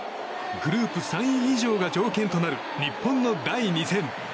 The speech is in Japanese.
グループ３位以上が条件となる日本の第２戦。